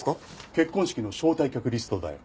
結婚式の招待客リストだよ。